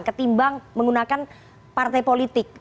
ketimbang menggunakan partai politik